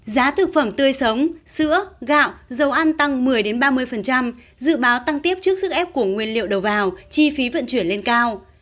giá thực phẩm tươi sống sữa gạo dầu ăn tăng một mươi ba mươi dự báo tăng tiếp trước sức ép của nguyên liệu đầu vào chi phí vận chuyển lên cao